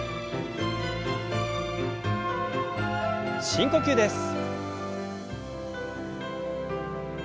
深呼吸です。